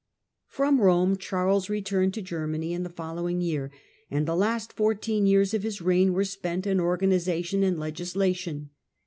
From Eome Charles returned to Germany in the following year, and the last fourteen years of his reign were spent in organisation and legislation.